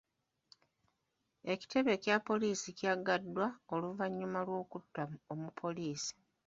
Ekitebe kya poliisi kyaggaddwa oluvannyuma lw'okutta omupoliisi.